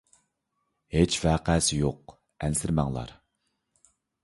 ھېچ ۋەقەسى يوق، ئەنسىرىمەڭلار!